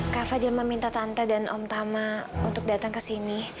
kak fadil meminta tanta dan om tama untuk datang ke sini